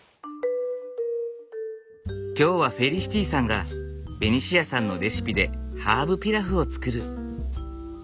今日はフェリシティさんがベニシアさんのレシピでハーブピラフを作る。